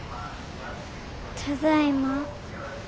ただいま。